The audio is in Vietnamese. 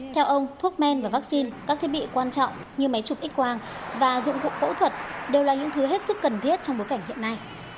theo ông thuốc men và vaccine các thiết bị quan trọng như máy chụp x quang và dụng cụ phẫu thuật đều là những thứ hết sức cần thiết trong bối cảnh hiện nay